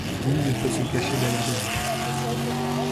Nul ne peut se cacher derrière des mots.